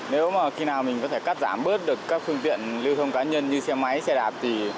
nếu mà khi nào mình có thể cắt giảm bớt được các phương tiện lưu thông cá nhân như xe máy xe đạp